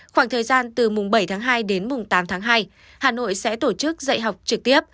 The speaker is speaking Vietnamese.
khoảng thời gian từ bảy hai đến tám hai hà nội sẽ tổ chức dạy học trực tiếp